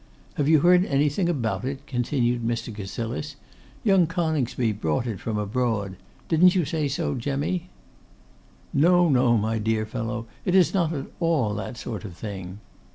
'Have you heard anything about it?' continued Mr. Cassilis. 'Young Coningsby brought it from abroad; didn't you you say so, Jemmy?' 'No, no, my dear fellow; it is not at all that sort of thing.